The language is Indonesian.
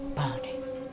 he sebal deh